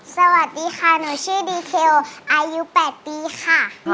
สวัสดีค่ะหนูชื่อดีเทลอายุ๘ปีค่ะ